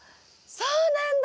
そうなんだ！